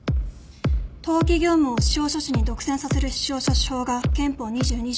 登記業務を司法書士に独占させる司法書士法が憲法２２条